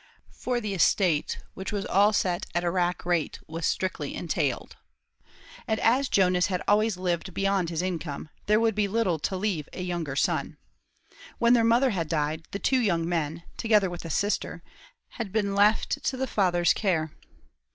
For the estate, which was all set at a rack rent, was strictly entailed; and as Jonas had always lived beyond his income, there would be little to leave to a younger son. When their mother died the two young men, together with a sister, had been left to the father's care.